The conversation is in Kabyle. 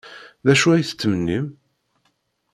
D acu ay tettmennim?